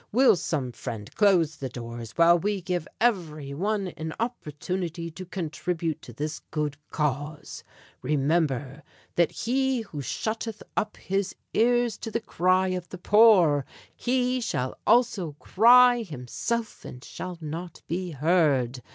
"Will some friend close the doors while we give every one an opportunity to contribute to this good cause? Remember that he who shutteth up his ears to the cry of the poor, he shall also cry himself and shall not be heard.